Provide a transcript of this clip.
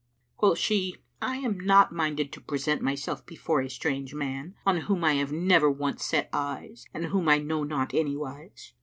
Quoth she, "I am not minded to present myself before a strange man, on whom I have never once set eyes and whom I know not any wise."